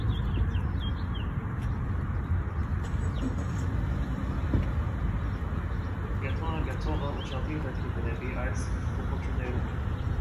Կեդրոնը կեցողը ուշադիր պէտք է հետեւի այս փոփոխութիւններուն։